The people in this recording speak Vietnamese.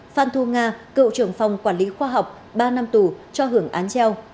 phan thu nga cựu trưởng phòng quản lý khoa học ba năm tù cho hưởng án treo